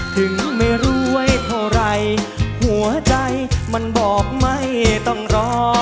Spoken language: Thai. ถึงไม่รวยเท่าไรหัวใจมันบอกไม่ต้องรอ